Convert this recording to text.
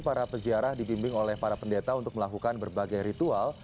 para peziarah dibimbing oleh para pendeta untuk melakukan berbagai ritual